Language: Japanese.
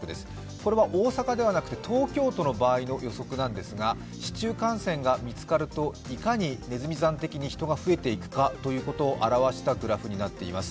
これは大阪ではなくて東京都の場合の予測なんですが市中感染が見つかるといかにねずみ算的に増えていくかということを表したグラフになっています。